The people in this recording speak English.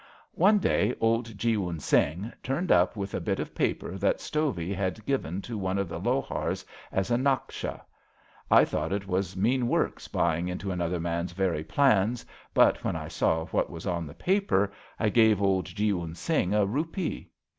*^ One day old Jeewun Singh turned up with a bit of paper that Stovey had given to one of the lohars as a naksha. I thought it was mean work spying into another man's very plans, but when I saw what was on the paper I gave old Jeewun Singh a rupee.